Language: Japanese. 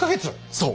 そう。